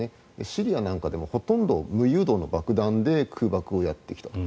シリアなんかでもほとんど無誘導の爆弾で空爆をやってきたと。